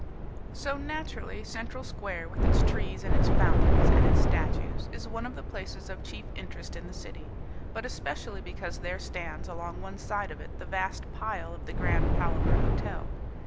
So naturally Central Square with its trees and its fountains and its statues is one of the places of chief interest in the City. But especially because there stands along one side of it the vast pile of the Grand Palaver Hotel.